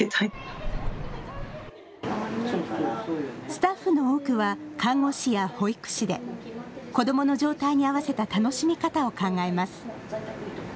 スタッフの多くは看護師や保育士で子どもの状態に合わせた楽しみ方を考えます。